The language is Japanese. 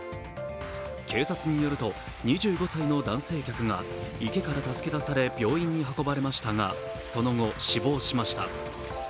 警察によると２５歳の男性客が池から助け出され病院に運ばれましたがその後、死亡しました。